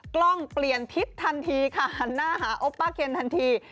กล้องเปลี่ยนทิศทันทีค่ะหันหน้าหาโอป้าเคนทันที